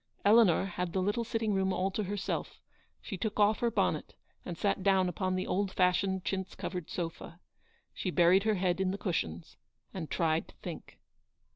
Eleanor had the little sitting room all to her self; she took off her bonnet and sat down upon the old fashioned chintz covered sofa. She buried her head in the cushions and tried to think.